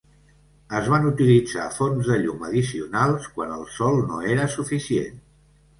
Es van utilitzar fonts de llum addicionals quan el sol no era suficient.